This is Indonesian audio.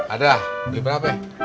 ada beli berapa ya